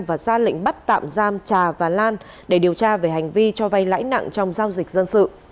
và ra lệnh bắt tạm giam trà và lan để điều tra về hành vi cho vay lãi nặng trong giao dịch dân sự